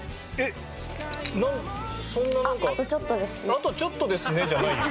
「あとちょっとですね」じゃないよ。